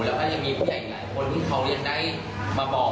แล้วก็ยังมีผู้ใหญ่หลายคนที่เขาเรียนได้มาบอก